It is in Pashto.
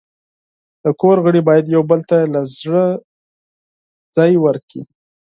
د کور غړي باید یو بل ته له زړه ځای ورکړي.